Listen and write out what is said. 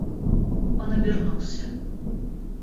Он обернулся.